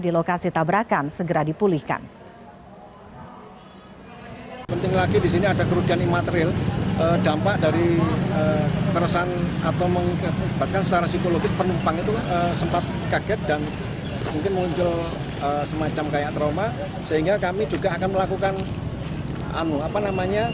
di lokasi tabrakan segera dipulihkan